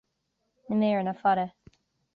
Na méireanna fada